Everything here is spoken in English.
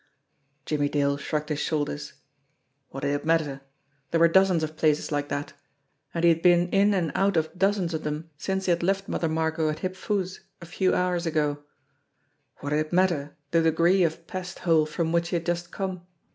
Jimmie Dale shrugged his shoulders. What did it matter ? There were dozens of places like that and he had been in and out of dozens of them since he had left Mother Margot at Hip Foo's a few hours ago. What did it matter the degree of pest hole from which he had just come?